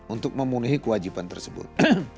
untuk memenuhi kewajiban tersebut